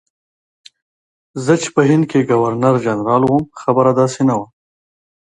زه چې په هند کې ګورنرجنرال وم خبره داسې نه وه.